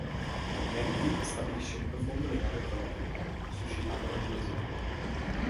McGee stabilisce un profondo legame con Erin, suscitando la gelosia di Abby.